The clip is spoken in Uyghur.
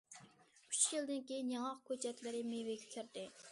ئۈچ يىلدىن كېيىن ياڭاق كۆچەتلىرى مېۋىگە كىردى.